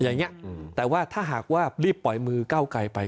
อย่างนี้แต่ว่าถ้าหากว่ารีบปล่อยมือเก้าไกลไป